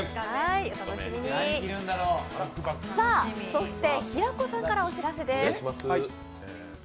そして平子さんからお知らせです。